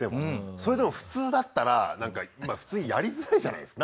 それでも普通だったらなんか普通やりづらいじゃないですか。